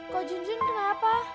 kok junjun kenapa